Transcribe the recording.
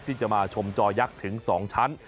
ที่จะมาชมจอยักษ์ถึง๒ชั้น